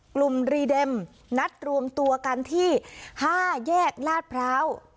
รีเด็มนัดรวมตัวกันที่๕แยกลาดพร้าว